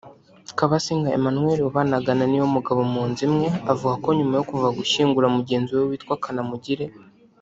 Kabasinga Emmanuel wabanaga na Niyomugabo mu nzu imwe avuga ko nyuma yo kuva gushyingura mugenzi we witwa Kanamugire